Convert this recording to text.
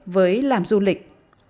với làm du lịch